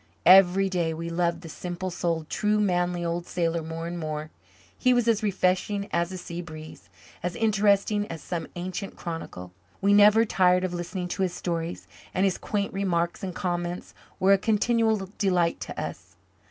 Every day we loved the simple souled, true, manly old sailor more and more. He was as refreshing as a sea breeze, as interesting as some ancient chronicle. We never tired of listening to his stories, and his quaint remarks and comments were a continual delight to us.